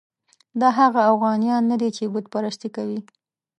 دا هغه اوغانیان نه دي چې بت پرستي کوي.